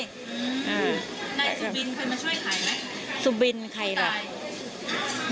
นายสุบินเคยมาช่วยขายไหม